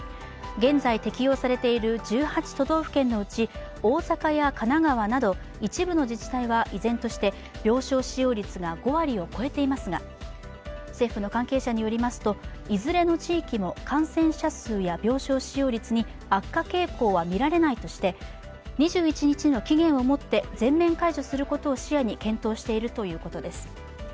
現在適用されている１８都道府県のうち大阪や神奈川など一部の自治体は依然として病床使用率が５割を超えていますが政府の関係者によりますといずれの地域も感染者数や、病床使用率に悪化傾向はみられないとして２１日の期限をもって全面解除することを視野に検討しているということです。